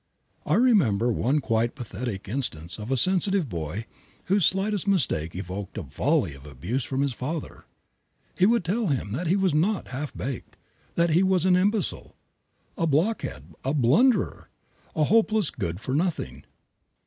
I remember one quite pathetic instance of a sensitive boy whose slightest mistake evoked a volley of abuse from his father. He would tell him that he was not "half baked," that he was "an imbecile," "a blockhead," "a blunderer," "a hopeless good for nothing."